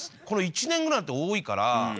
この１年ぐらい多いから。